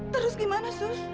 terus gimana sus